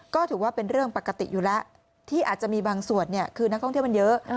ก็ถือว่าเป็นเรื่องปกติอยู่แล้วที่อาจจะมีบางส่วนคือนักท่องเที่ยวมันเยอะ